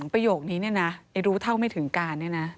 ประโยคนี้เนี่ยนะรู้เท่าไม่ถึงการเนี่ยนะ